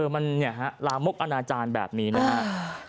มันลามกอนาจารย์แบบนี้นะครับ